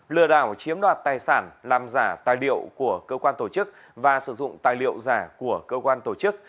lừa đảo chiếm đoạt tài sản làm giả tài liệu của cơ quan tổ chức và sử dụng tài liệu giả của cơ quan tổ chức